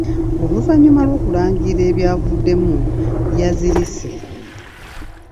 Oluvannyuma lw'okulangirira ebyavuddemu, yazirise.